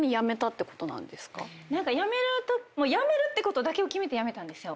もう辞めるってことだけを決めて辞めたんですよ。